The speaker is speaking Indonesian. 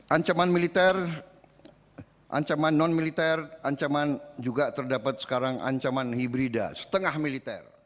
ancaman militer ancaman non militer ancaman juga terdapat sekarang ancaman hibrida setengah militer